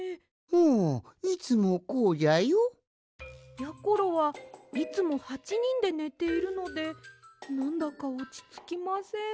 んいつもこうじゃよ。やころはいつも８にんでねているのでなんだかおちつきません。